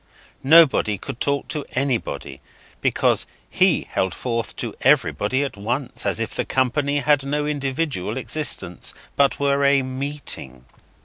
Nobody could talk to anybody, because he held forth to everybody at once, as if the company had no individual existence, but were a Meeting.